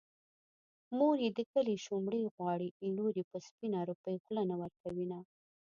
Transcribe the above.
مور يې د کلي شومړې غواړي لور يې په سپينه روپۍ خوله نه ورکوينه